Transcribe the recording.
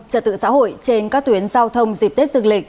trật tự xã hội trên các tuyến giao thông dịp tết dương lịch